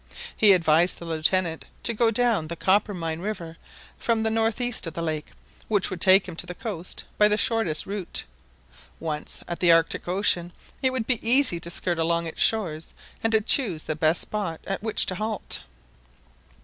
He advised the Lieutenant to go down the Coppermine river, from the north east of the lake, which would take him to the coast by the shortest route. Once at the Arctic Ocean, it would be easy to skirt along its shores and to choose the best spot at Which to halt.